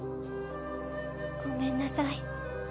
ごめんなさい。